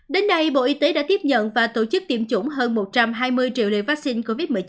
đến nay bộ y tế đã tiếp nhận và tổ chức tiêm chủng hơn một trăm hai mươi triệu liều vaccine covid một mươi chín